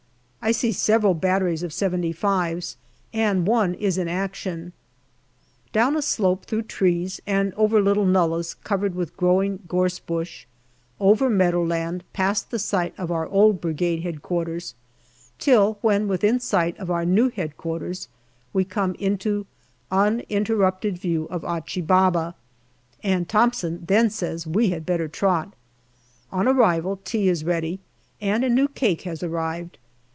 I see several batteries of " 75 's," and one is in action. Down a slope through trees, and over little nullahs covered with growing gorse bush, over meadowland past the site of our old Brigade H.Q., till when within sight of our new H.Q. we come into uninterrupted view of Achi Baba, and Thomson then says we had better trot. On arrival, tea is ready, and a new cake has arrived.